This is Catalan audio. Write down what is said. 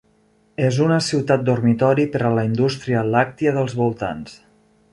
És una ciutat dormitori per a la indústria làctia dels voltants.